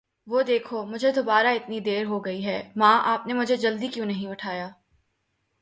وه دیکھو. مجهے دوباره اتنی دیر ہو گئی ہے! ماں، آپ نے مجھے جلدی کیوں نہیں اٹھایا!